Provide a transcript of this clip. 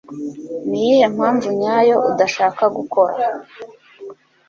Niyihe mpamvu nyayo udashaka gukora